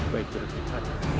baik terima kasih